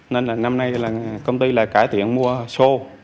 nên là năm nay là công ty lại cải thiện mua so